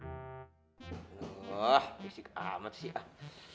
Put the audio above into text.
waalaikumsalam waah berisik amat sih ah